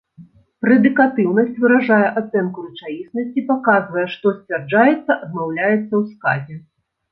Прэдыкатыўнасць выражае ацэнку рэчаіснасці, паказвае, што сцвярджаецца адмаўляецца ў сказе.